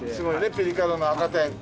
ピリ辛の赤てん。